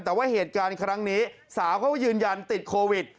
แต่ว่าเหตุการณ์ครั้งนี้สาวเขาก็ยืนยันติดโควิด